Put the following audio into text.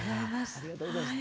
ありがとうございます。